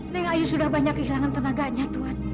leng ayu sudah banyak kehilangan tenagaannya tuhan